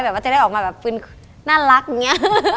แบบว่าจะเลือกออกมาแบบน่ารักอย่างนี้